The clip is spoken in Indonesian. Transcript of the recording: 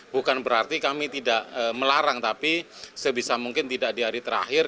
bukan berarti kami tidak melarang tapi sebisa mungkin tidak di hari terakhir